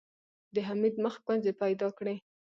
د حميد مخ ګونځې پيدا کړې.